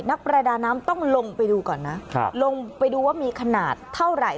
นักประดาน้ำต้องลงไปดูก่อนนะลงไปดูว่ามีขนาดเท่าไหร่